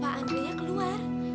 pak andri nya keluar